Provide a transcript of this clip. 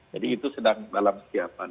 jadi itu sedang dalam siapkan